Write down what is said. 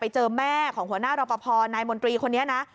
เจอแม่ของหัวหน้ารอปภนายมนตรีคนนี้นะ